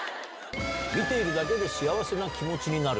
見ているだけで幸せな気持ちになる！